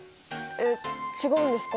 え違うんですか？